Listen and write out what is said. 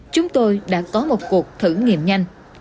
chúng tôi đã có một cuộc thử nghiệm nhanh